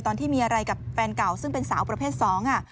ตอนที่มีอะไรกับแฟนเก่าซึ่งเป็นสาวประเภทสองอ่ะ